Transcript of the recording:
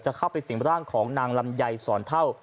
เข้าไปสิ่งร่างของนางลำไยสอนเท่า